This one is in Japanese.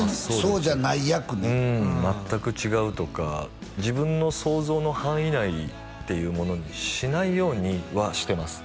うーん全く違うとか自分の想像の範囲内っていうものにしないようにはしてます